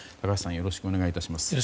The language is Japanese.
よろしくお願いします。